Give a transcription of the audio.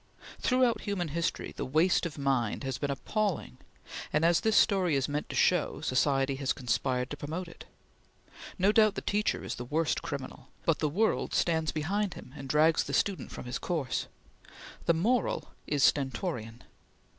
Throughout human history the waste of mind has been appalling, and, as this story is meant to show, society has conspired to promote it. No doubt the teacher is the worst criminal, but the world stands behind him and drags the student from his course. The moral is stentorian.